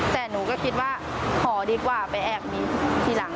แต่หนูก็คิดว่าขอดีกว่าไปแอบมีทีหลัง